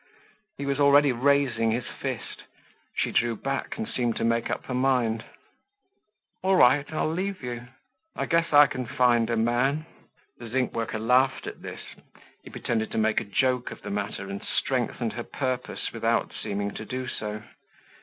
He was already raising his fist. She drew back, and seemed to make up her mind. "All right, I'll leave you. I guess I can find a man." The zinc worker laughed at this. He pretended to make a joke of the matter, and strengthened her purpose without seeming to do so.